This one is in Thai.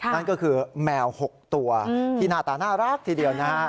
นั่นก็คือแมว๖ตัวที่หน้าตาน่ารักทีเดียวนะฮะ